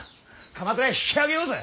鎌倉へ引き揚げようぜ。